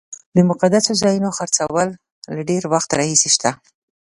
د مقدسو ځایونو خرڅول له ډېر وخت راهیسې شته.